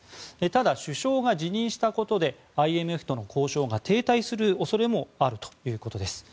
ただ、首相が辞任したことでＩＭＦとの交渉が停滞する恐れもあるということです。